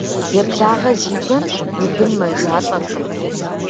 Еблагъэ зи бэм и бын мэжалӀэркъым.